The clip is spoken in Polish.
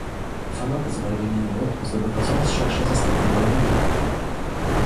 Fanatyzm religijny zdobywa coraz szersze zastępy bojowników